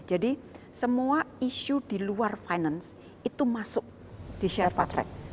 jadi semua isu di luar finance itu masuk di sherpa trek